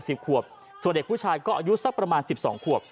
ส่วนเด็กผู้ชายก็อายุสักประมาณ๑๒ขวบ